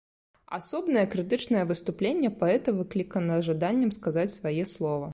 Асобнае крытычнае выступленне паэта выклікана жаданнем сказаць свае слова.